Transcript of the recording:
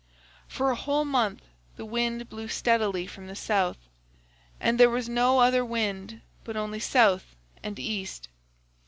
"For a whole month the wind blew steadily from the South, and there was no other wind, but only South and East.